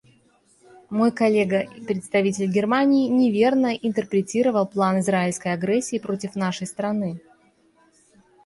Мой коллега, представитель Германии, неверно интерпретировал план израильской агрессии против нашей страны.